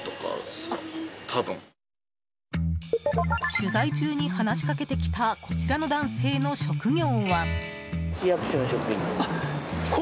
取材中に話しかけてきたこちらの男性の職業は？